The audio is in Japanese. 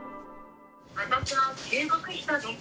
私は中国人です。